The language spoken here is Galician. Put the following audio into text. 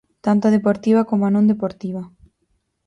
Tanto a deportiva como non deportiva.